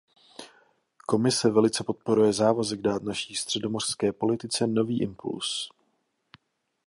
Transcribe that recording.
Komise velice podporuje závazek dát naší středomořské politice nový impuls.